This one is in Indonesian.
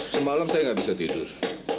semalam saya nggak bisa tidur